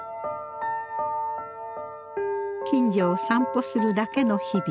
近所を散歩するだけの日々。